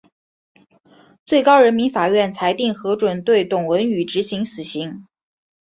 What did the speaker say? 最高人民法院裁定核准对董文语执行死刑。